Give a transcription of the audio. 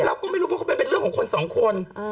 เราก็ไม่รู้เพราะเขาเป็นเรื่องของคนสองคน